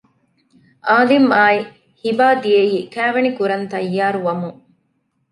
އާލިމްއާއި ހިބާ ދިޔައީ ކައިވެނި ކުރަން ތައްޔާރު ވަމުން